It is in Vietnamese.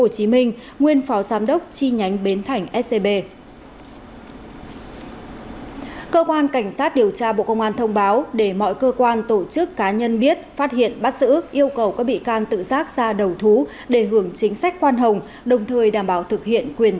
trước đó vào ngày hai mươi năm tháng một mươi năm hai nghìn hai mươi ba cơ quan cảnh sát điều tra bộ công an đã ra quy định khởi tố bị can để tạm giam đối với bảy bị can về tội danh vi phạm quy định về hoạt động ngân hàng tham mô tài sản